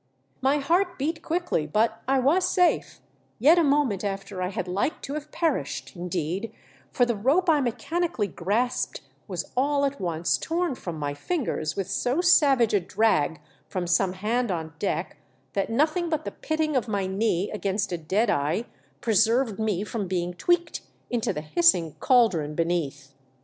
My heart beat quickly, but I was safe ; yet a moment after I had liked to have perished, indeed, for the rope I mechanically grasped was all at once torn from my fingers with so savage a drag from some hand on deck that nothing but the pitting of my knee against a dead eye preserved me from being tweaked into the hissing caldron beneath.